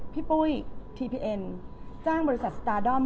ปุ้ยทีพีเอ็นจ้างบริษัทสตาร์ดอม